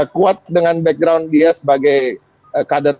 kuat dengan background dia sebagai kader